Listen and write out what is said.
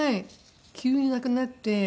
急に亡くなって。